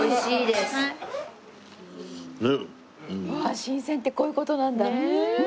新鮮ってこういう事なんだ。